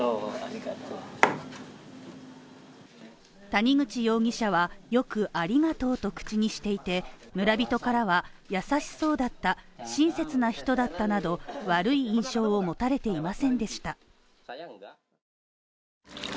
谷口容疑者は、よく「ありがとう」と口にしていて、村人から優しそうだった、親切な人だったなど悪い印象を持たれていませんでした。